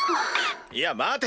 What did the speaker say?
いや待て！